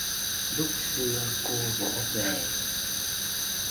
Lúc xưa cô vỗ về...